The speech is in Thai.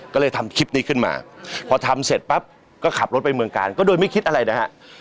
ก็เลยทำคลิปนี้ขึ้นมาพอทำเสร็จปั๊บก็ขับรถไปเมืองกาลก็โดยไม่คิดอะไรนะฮะ